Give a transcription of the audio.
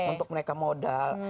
untuk mereka modal